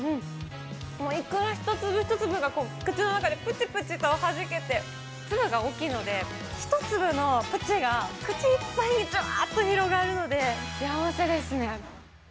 イクラ一粒一粒が口の中でぷちぷちとはじけて、粒が大きいので、１粒のぷちが、口いっぱいじゅわーっと広がるので、幸せですね。